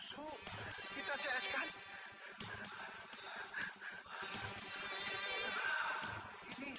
kau memang anak yang manis